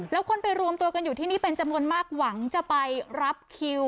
แล้วคนไปรวมตัวกันอยู่ที่นี่เป็นจำนวนมากหวังจะไปรับคิว